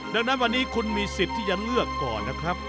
ดังนั้นวันนี้คุณมีสิทธิ์ที่จะเลือกก่อนนะครับ